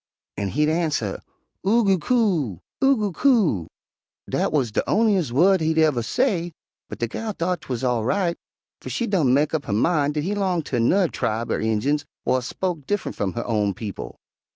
an' he'd arnser, 'Oo goo coo, Oo goo coo.' Dat wuz de on'ies wu'd he uver say, but de gal thought 'twuz all right, fer she done mek up her min' dat he 'longed ter nu'rr tribe er Injuns whar spoke diff'nt f'um her own people.